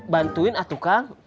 bantuin atau kan